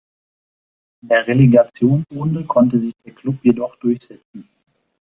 In der Relegationsrunde konnte sich der Klub jedoch durchsetzen.